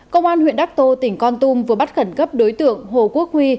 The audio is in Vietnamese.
công an huyện đắc tô tỉnh con tum vừa bắt khẩn cấp đối tượng hồ quốc huy